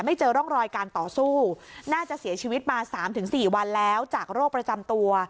เจอร่องรอยการต่อสู้น่าจะเสียชีวิตมา๓๔วันแล้วจากโรคประจำตัว